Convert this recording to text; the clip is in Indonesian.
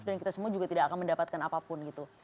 dan kita semua juga tidak akan mendapatkan apapun gitu